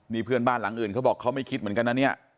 นี่เพื่อนบ้านหลังอื่นเขาบอกเขาไม่คิดเหมือนกันนะเนี่ย